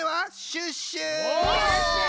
シュッシュ！